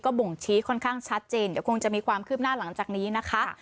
บ่งชี้ค่อนข้างชัดเจนเดี๋ยวคงจะมีความคืบหน้าหลังจากนี้นะคะ